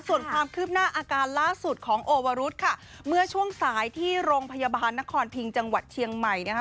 ส่วนความคืบหน้าอาการล่าสุดของโอวรุธค่ะเมื่อช่วงสายที่โรงพยาบาลนครพิงจังหวัดเชียงใหม่นะคะ